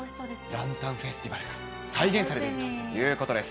ランタンフェスティバルが再現されるということです。